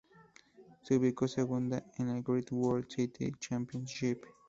Se ubicó segunda en el "Great World City Championships".